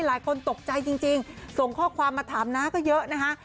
หลายคนตกใจจริงส่งข้อความมาถามน้าก็เยอะนะคะ